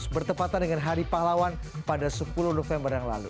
bertepatan dengan hari pahlawan pada sepuluh november yang lalu